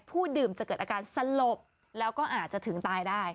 ดื่มจะเกิดอาการสลบแล้วก็อาจจะถึงตายได้